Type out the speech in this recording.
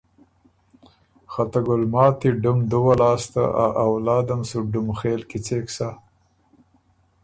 خه ته ګُلماتی ډُم دُوه لاسته ا اولادم سُو ډُمخېل کیڅېک سۀ!